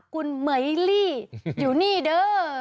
คุณไหมลี่อยู่นี่เด้อ